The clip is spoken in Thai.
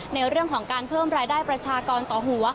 ในเรื่องของการเพิ่มรายได้ประชากรต่อหัว